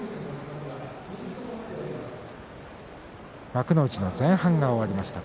幕内の前半が終わりました。